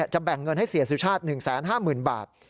แบ่งเงินให้เสียสุชาติ๑๕๐๐๐บาท